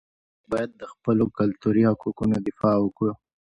موږ باید د خپلو کلتوري حقوقو دفاع وکړو.